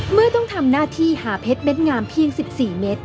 เมื่อต้องทำหน้าที่หาเพชรเม็ดงามเพียง๑๔เมตร